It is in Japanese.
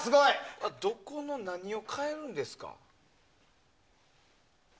どこの何を変えるんですか？